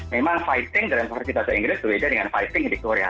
memang fighting dalam versi bahasa inggris berbeda dengan fighting di korea